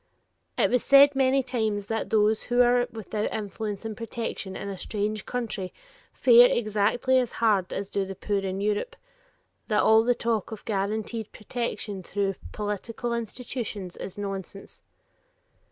It was said many times that those who are without influence and protection in a strange country fare exactly as hard as do the poor in Europe; that all the talk of guaranteed protection through political institutions is nonsense.